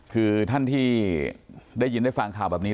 คือท่านที่ได้ยินได้ฟังข่าวแบบนี้